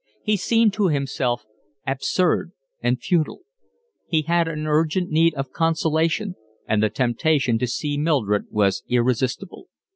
He seemed to himself absurd and futile. He had an urgent need of consolation, and the temptation to see Mildred was irresistible.